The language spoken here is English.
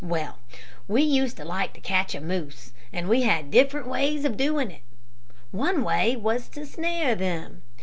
"Well, we used to like to catch a moose, and we had different ways of doing it. One way was to snare them.